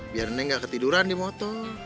biar neng gak ketiduran di moto